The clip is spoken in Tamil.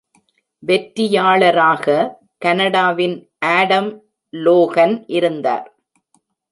வெற்றியாளராக, கனடாவின் ஆடம் லோகன் இருந்தார்.